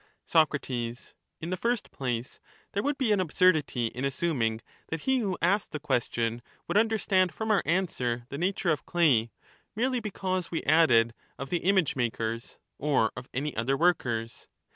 Soc. In the first place, there would be an absurdity in assuming that he who asked the question would understand from our answer the nature of *clay,' merely because we added * of the image makers,' or of any other workers.